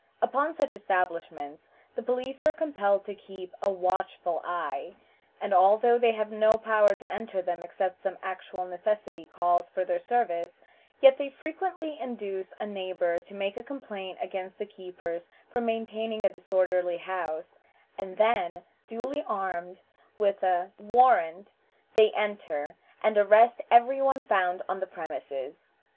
Upon such establishments the police are compelled to keep a watchful eye, and although they have no power to enter them except some actual necessity calls for their services, yet they frequently induce a neighbor to make a complaint against the keepers for maintaining a disorderly house, and then, duly armed with a warrant, they enter, and arrest every one found on the premises.